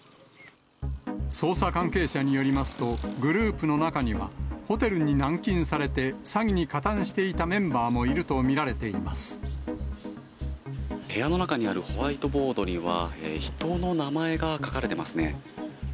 捜査関係者によりますと、グループの中には、ホテルに軟禁されて詐欺に加担していたメンバーもいると見られて部屋の中にあるホワイトボードには、人の名前が書かれてますね。